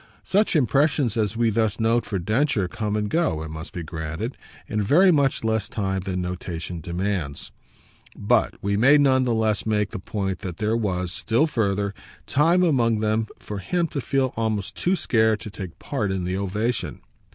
Such impressions as we thus note for Densher come and go, it must be granted, in very much less time than notation demands; but we may none the less make the point that there was, still further, time among them for him to feel almost too scared to take part in the ovation.